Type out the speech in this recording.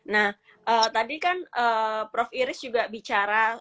nah tadi kan prof iris juga bicara